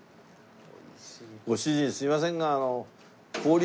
ご主人すみませんがあの。